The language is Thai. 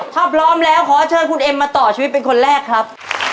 ถ้าพร้อมแล้วขอเชิญคุณเอ็มมาต่อชีวิตเป็นคนแรกครับ